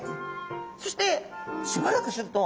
そしてしばらくするとなんと！